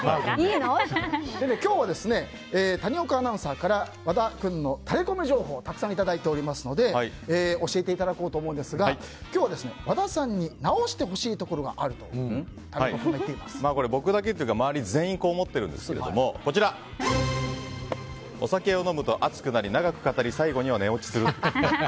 今日は谷岡アナウンサーから和田君のタレコミ情報をたくさんいただいていますので教えていただこうと思うんですが今日は和田さんに直してほしいところがあるとこれは僕だけというか周りが全員こう思ってるんですけどもお酒を飲むとアツくなり長く語り、最後には寝落ちする。